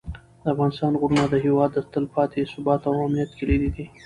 د افغانستان غرونه د هېواد د تلپاتې ثبات او امنیت کلیدي دي.